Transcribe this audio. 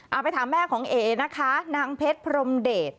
เอาไปถามแม่ของเอ๋นะคะนางเพชรพรมเดช